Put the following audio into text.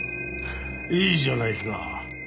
いいじゃないか。